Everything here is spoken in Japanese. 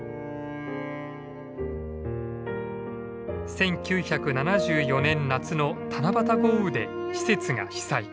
１９７４年夏の七夕豪雨で施設が被災。